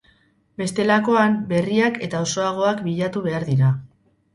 Bestelakoan, berriak eta osoagoak bilatu behar dira.